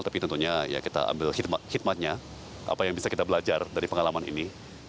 tapi tentunya ya kita ambil hikmatnya apa yang bisa kita belajar dari pengalaman ini